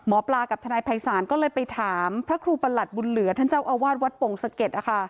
หมอปลากับทนายภัยศาลก็เลยไปถามพระครูประหลัดบุญเหลือท่านเจ้าอาวาสวัดโป่งสะเก็ด